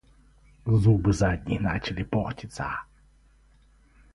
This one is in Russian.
Зубы задние начинали портиться.